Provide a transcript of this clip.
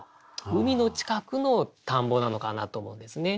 海の近くの田んぼなのかなと思うんですね。